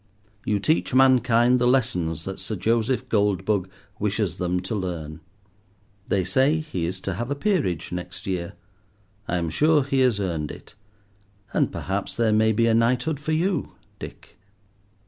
You teach mankind the lessons that Sir Joseph Goldbug wishes them to learn. They say he is to have a peerage next year. I am sure he has earned it; and perhaps there may be a knighthood for you, Dick.